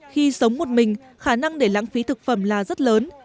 khi sống một mình khả năng để lãng phí thực phẩm là rất lớn